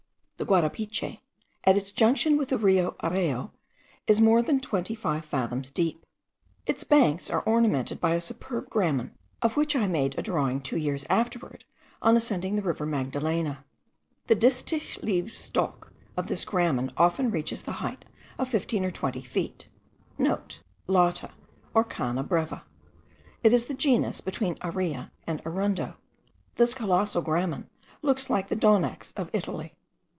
The Guarapiche, at its junction with the Rio Areo, is more than twenty five fathoms deep. Its banks are ornamented by a superb gramen, of which I made a drawing two years afterward on ascending the river Magdalena. The distich leaved stalk of this gramen often reaches the height of fifteen or twenty feet.* (* Lata, or cana brava. It is a new genus, between aira and arundo. This colossal gramen looks like the donax of Italy.